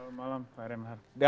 selamat malam pak remar